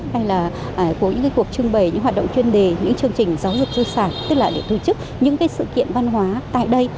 hay là của những cuộc trưng bày những hoạt động chuyên đề những chương trình giáo dục du sản tức là để tổ chức những cái sự kiện văn hóa tại đây